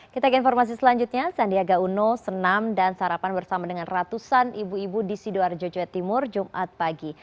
kita ke informasi selanjutnya sandiaga uno senam dan sarapan bersama dengan ratusan ibu ibu di sidoarjo jawa timur jumat pagi